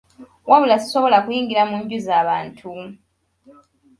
Wabula sisobola kuyingira mu nju za bantu.